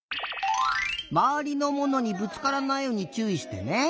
まわりのものにぶつからないようにちゅういしてね！